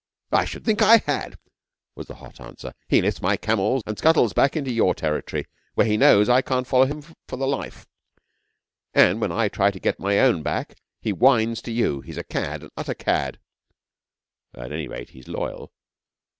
'I should think I had!' was the hot answer. 'He lifts my camels and scuttles back into your territory, where he knows I can't follow him for the life; and when I try to get a bit of my own back, he whines to you. He's a cad an utter cad.' 'At any rate, he is loyal.